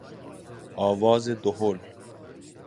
آواز دهل